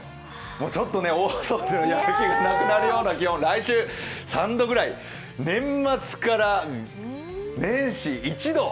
ちょっと大掃除のやる気がなくなるような気温、来週３度ぐらい年末から年始、１度。